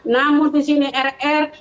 namun di sini rr